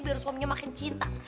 biar suaminya makin cinta